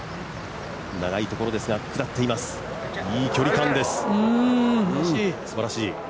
長いところですが、下っています、いい距離感です。